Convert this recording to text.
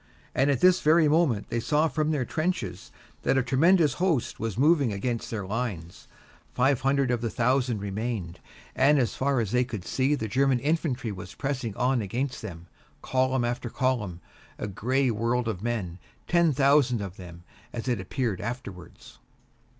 And at this very moment they saw from their trenches that a tremendous host was moving against their lines. Five hundred of the thousand remained, and as far as they could see the German infantry was pressing on against them, column upon column, a gray world of men, ten thousand of them, as it appeared afterwards.